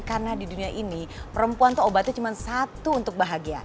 karena di dunia ini perempuan tuh obatnya cuma satu untuk bahagia